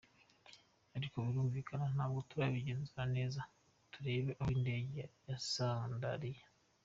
Ariko birumvikana, ntabwo turabigenzura neza turebeye aho indege yasandariye.